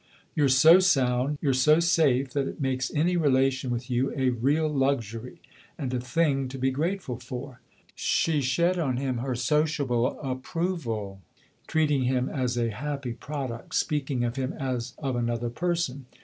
" You're so sound you're so safe that it makes any relation with you a real luxury and a thing to be grateful for." She shed on him her sociable approval, treating him as a happy product, speaking of him as of another person.